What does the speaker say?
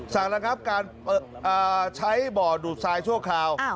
ระงับการใช้บ่อดูดทรายชั่วคราว